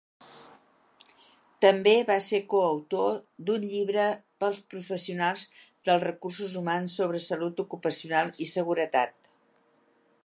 També va ser coautor d'un llibre pels professionals dels recursos humans sobre salut ocupacional i seguretat.